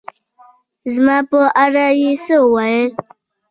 زما په اړه يې څه ووېل